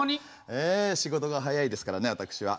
ええ仕事が早いですからね私は。